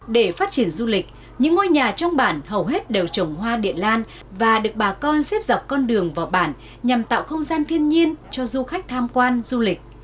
để phát triển du lịch những ngôi nhà trong bản hầu hết đều trồng hoa địa lan và được bà con xếp dọc con đường vào bản nhằm tạo không gian thiên nhiên cho du khách tham quan du lịch